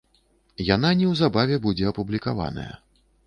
Яна неўзабаве будзе апублікаваная.